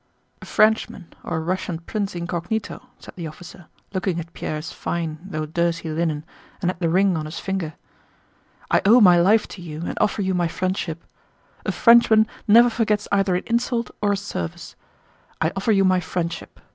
"A Frenchman or a Russian prince incognito," said the officer, looking at Pierre's fine though dirty linen and at the ring on his finger. "I owe my life to you and offer you my friendship. A Frenchman never forgets either an insult or a service. I offer you my friendship.